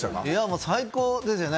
もう最高ですよね。